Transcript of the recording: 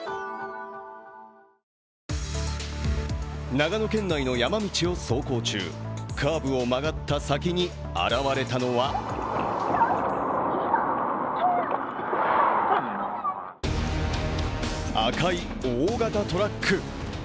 長野県内の山道を走行中カーブを曲がった先に現れたのは赤い大型トラック。